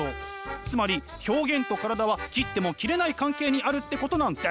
つまり表現と体は切っても切れない関係にあるってことなんです。